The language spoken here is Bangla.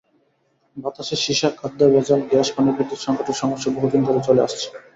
বাতাসে সিসা, খাদ্যে ভেজাল, গ্যাস-পানি, বিদ্যুৎ-সংকটের সমস্যা বহুদিন ধরে চলে আসছে।